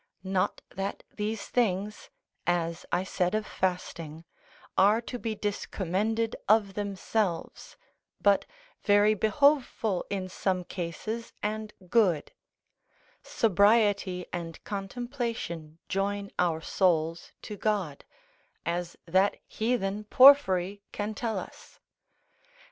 Not that these things (as I said of fasting) are to be discommended of themselves, but very behoveful in some cases and good: sobriety and contemplation join our souls to God, as that heathen Porphyry can tell us.